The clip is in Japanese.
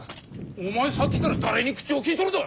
お前さっきから誰に口を利いとるだあ！